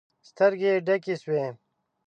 سترګې يې ډکې شوې.